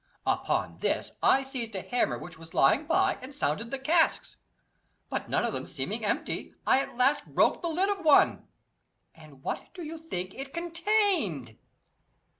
Upon this I seized a hammer which was lying by and sounded the casks, but none of them seeming empty, I at last broke the lid of one and what do you think it contained?"